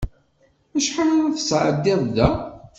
Acḥal ara tesɛeddiḍ da?